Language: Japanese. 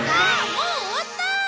もう終わった！